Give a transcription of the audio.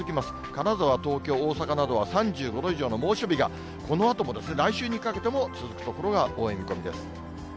金沢、東京、大阪などは３５度以上の猛暑日がこのあとも来週にかけても続く所が多い見込みです。